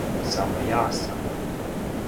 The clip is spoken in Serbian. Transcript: Само ја сам.